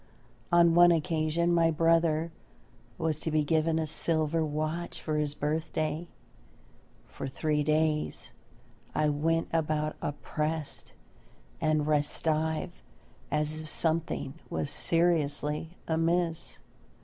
On one occasion my brother was to be given a silver watch for his birthday. For three days I went about oppressed and restive as if something was seriously amiss.